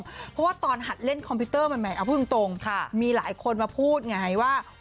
เพราะว่าตอนหัดเล่นคอมพิวเตอร์ใหม่เอาพูดตรงมีหลายคนมาพูดไงว่า